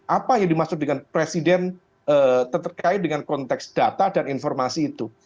apa yang dimaksud dengan presiden terkait dengan konteks data dan informasi itu